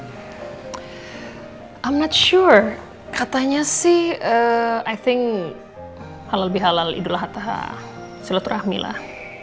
i'm not sure katanya sih i think halal bihalal idul hatta syulatul rahmi lah